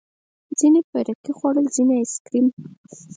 ځينو پيركي خوړل ځينو ايس کريم.